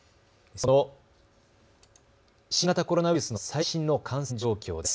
その新型コロナウイルスの最新の感染状況です。